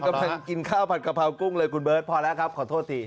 กำลังกินข้าวผัดกะเพรากุ้งเลยคุณเบิร์ตพอแล้วครับขอโทษที